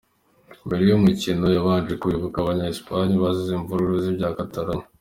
Mbere y'umukino babanje kwibuka abanya-Espagne bazize imvururu z'ibya Catalogna.